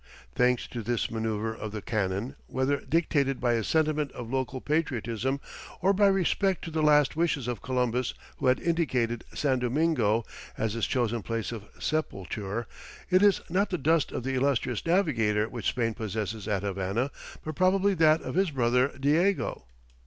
Thanks to this manoeuvre of the canon, whether dictated by a sentiment of local patriotism or by respect to the last wishes of Columbus who had indicated San Domingo as his chosen place of sepulture, it is not the dust of the illustrious navigator which Spain possesses at Havana, but probably that of his brother Diego.